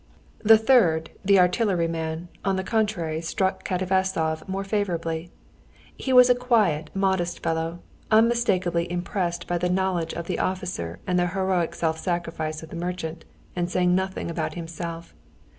The third, the artilleryman, on the contrary, struck Katavasov very favorably. He was a quiet, modest fellow, unmistakably impressed by the knowledge of the officer and the heroic self sacrifice of the merchant and saying nothing about himself.